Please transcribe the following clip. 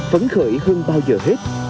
phấn khởi hơn bao giờ hết